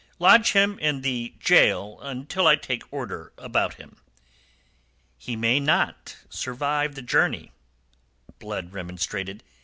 Lodge him in the gaol until I take order about him." "He may not survive the journey," Blood remonstrated.